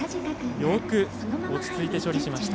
よく、落ち着いて処理をしました。